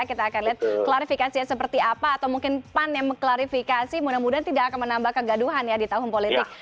kita akan lihat klarifikasi seperti apa atau mungkin pan yang mengklarifikasi mudah mudahan tidak akan menambah kegaduhan ya di tahun politik